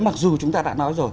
mặc dù chúng ta đã nói rồi